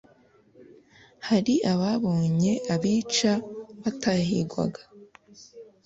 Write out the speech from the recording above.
hari ababonye abica batahigwaga